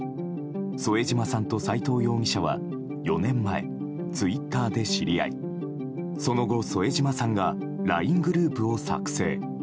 添島さんと斎藤容疑者は４年前、ツイッターで知り合いその後、添島さんがＬＩＮＥグループを作成。